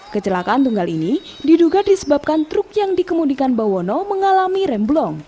kecelakaan tunggal ini diduga disebabkan truk yang dikemudikan bawono mengalami remblong